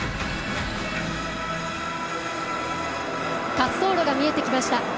滑走路が見えてきました。